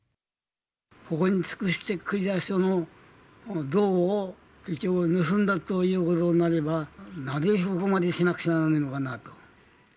ここに尽くしてくれた人の像を盗んだということになれば、なぜそこまでしなくちゃならねぇのかなと。